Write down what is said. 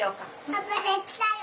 パパできたよ。